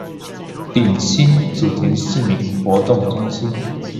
頂新祖田市民活動中心